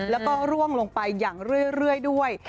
แล้วก็ร่วงลงไปอย่างเรื่อยด้วย